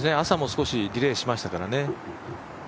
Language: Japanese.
朝も少しディレイしましたからね。